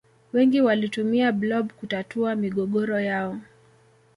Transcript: Wengi walitumia blob kutatua migogoro yao